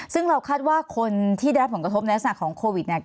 ซึ่งเราคาดว่าคนที่ได้รับผลกระทบในลักษณะของโควิดเนี่ย